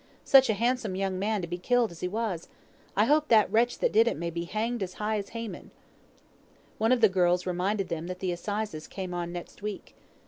Such a handsome young man to be killed as he was. I hope the wretch that did it may be hanged as high as Haman." One of the girls reminded them that the assizes came on next week.